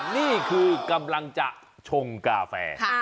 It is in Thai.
นี่คือกำลังจะชงกาแฟ